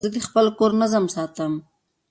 زه د خپل کور نظم ساتم.